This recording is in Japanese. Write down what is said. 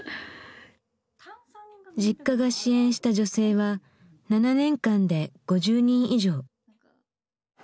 Ｊｉｋｋａが支援した女性は７年間で５０人以上。